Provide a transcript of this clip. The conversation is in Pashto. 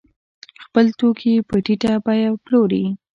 خپل توکي په ټیټه بیه پلوري.